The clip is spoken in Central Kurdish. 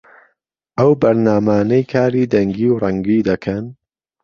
ئەو بەرنامانەی کاری دەنگی و ڕەنگی دەکەن